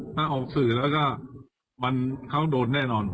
ถ้าออกสื่อแล้วก็เขาโดนแน่นอน